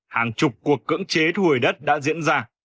hàng chục cuộc cưỡng chế thu hồi đất đã diễn ra